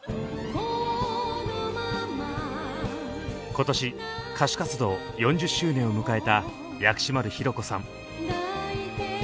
今年歌手活動４０周年を迎えた薬師丸ひろ子さん。